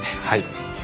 はい。